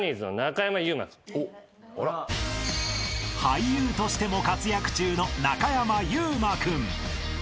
［俳優としても活躍中の中山優馬君］